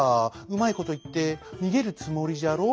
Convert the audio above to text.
うまいこといってにげるつもりじゃろ」。